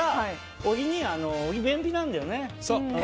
小木、便秘なんだよね。